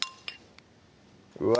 うわ